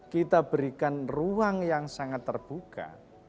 kita berikan ruang yang sangat terbuka